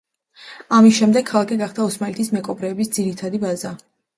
ამის შემდეგ ქალაქი გახდა ოსმალეთის მეკობრეების ძირითადი ბაზა.